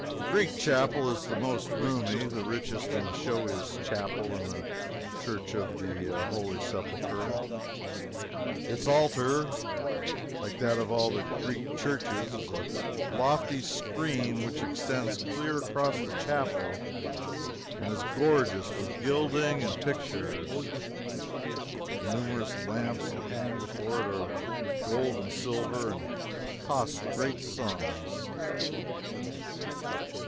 The Greek Chapel is the most roomy, the richest and the showiest chapel in the Church of the Holy Sepulchre. Its altar, like that of all the Greek churches, is a lofty screen that extends clear across the chapel, and is gorgeous with gilding and pictures. The numerous lamps that hang before it are of gold and silver, and cost great sums.